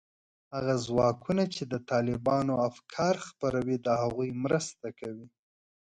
هغه ځواکونو چې د طالبانو افکار خپروي، د هغوی مرسته کوي